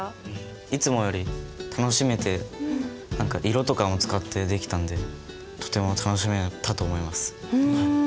いつもより楽しめて色とかも使ってできたんでとても楽しめたと思います。